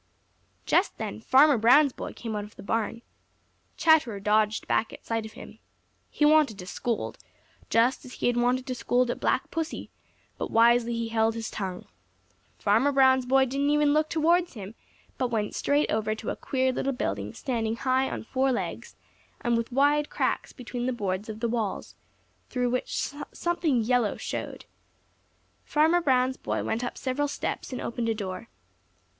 Just then Farmer Brown's boy came out of the barn. Chatterer dodged back at sight of him. He wanted to scold, just as he had wanted to scold at Black Pussy, but he wisely held his tongue. Farmer Brown's boy didn't even look towards him but went straight over to a queer little building standing high on four legs and with wide cracks between the boards of the walls, through which something yellow showed. Farmer Brown's boy went up several steps and opened a door.